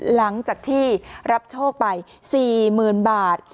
หลังจากที่รับโชคไป๔๐๐๐บาท